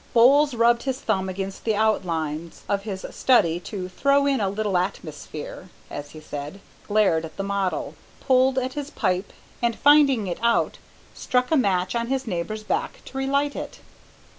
Bowles rubbed his thumb across the outlines of his study to "throw in a little atmosphere," as he said, glared at the model, pulled at his pipe and finding it out struck a match on his neighbour's back to relight it.